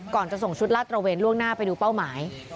ก่อนจะส่งชุดลาดตระเวนล่วงหน้าไปดูเป้าหมาย